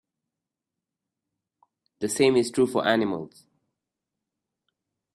The same is true for animals.